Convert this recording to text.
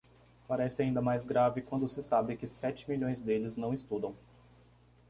parece ainda mais grave quando se sabe que sete milhões deles não estudam